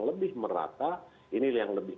lebih merata ini yang lebih